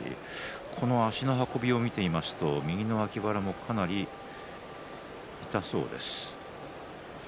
この足の運びを見ていますと右の脇腹もかなり痛そうです。